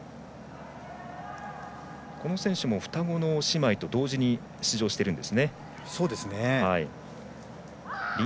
この選手も双子の姉妹と同時に出場しているんですね。